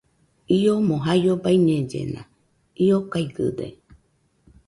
Iomo jaio baiñellena, io gaigɨde